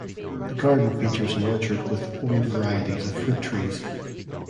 The garden features an orchard with old varieties of fruit trees.